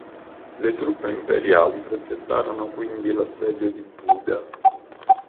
Le truppe imperiali progettarono quindi l'assedio di Buda.